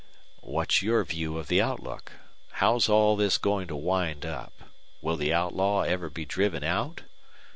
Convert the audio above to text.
"What's your view of the outlook? How's all this going to wind up? Will the outlaw ever be driven out?"